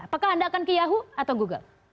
apakah anda akan ke yahu atau google